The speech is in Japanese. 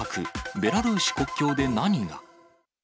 ベラルーシ国境で何が。